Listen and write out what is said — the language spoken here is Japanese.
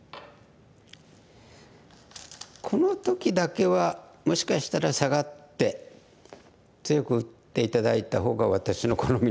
この時だけはもしかしたらサガって強く打って頂いたほうが私の好みなんですけども。